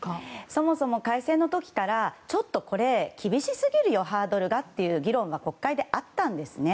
そもそも改正の時からちょっと、これ厳しすぎるよ、ハードルがという議論が国会であったんですね。